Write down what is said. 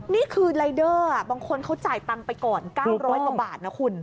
นี่คือรายเดอร์บางคนเขาจ่ายตังค์ไปก่อน๙๐๐กว่าบาทนะคุณ